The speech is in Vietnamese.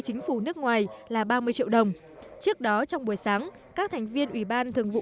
chính phủ nước ngoài là ba mươi triệu đồng trước đó trong buổi sáng các thành viên ủy ban thường vụ